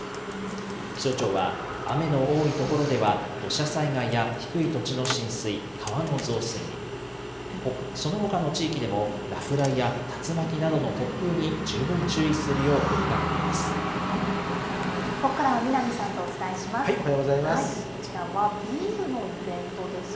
気象庁は、雨の多い所では土砂災害や低い土地の浸水、川の増水に、そのほかの地域でも落雷や竜巻などの突風に十分注意するよう呼びここからは南さんとお伝えしおはようございます。